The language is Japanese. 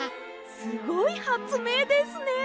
すごいはつめいですね。